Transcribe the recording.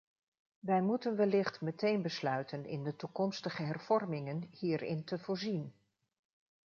Wij moeten wellicht meteen besluiten in de toekomstige hervormingen hierin te voorzien.